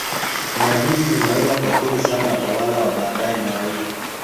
Dhana hizi zinaweza kuathiri sana watawala wa baadaye na raia.